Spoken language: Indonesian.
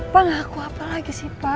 pak ngaku apa lagi sih pak